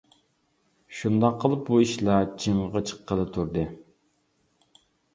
شۇنداق قىلىپ، بۇ ئىشلار چىڭىغا چىققىلى تۇردى.